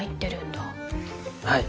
はい。